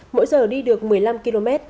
mỗi giờ đi được một mươi năm km